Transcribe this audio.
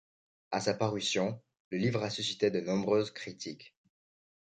A sa parution, le livre a suscité de nombreuses critiques.